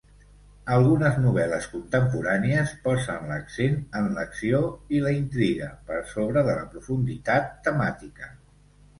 Algunes novel·les contemporànies posen l'accent en l'acció i la intriga per sobre de la profunditat temàtica.